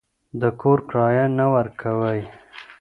د کور کرایه نه ورکوئ.